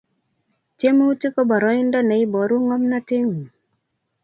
Tiemutik ko boroindo ne iboru ngomnotengung